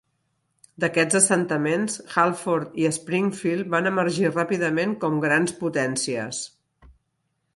D"aquesta assentaments, Hartford i Springfield van emergir ràpidament com grans potències.